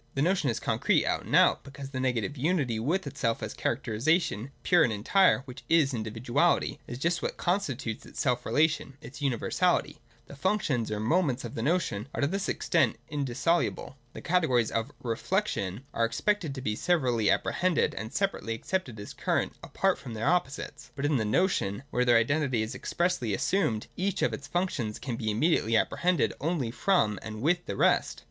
164.] The notion is concrete out and out : because the negative unity with itself, as characterisation pure and entire, which is individuality, is just what constitutes its self relation, its universality. The functions or ' moments ' of the notion are to this extent indissoluble. The categories of 'reflection' are expected to be severally apprehended and separately accepted as current, apart from their opposites. But in the notion, where their identity is expressly assumed, each of its functions can be immediately apprehended only from and with the rest.